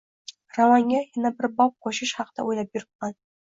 Romanga yana bir bob qo`shish haqida o`ylab yuriban